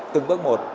từng bước một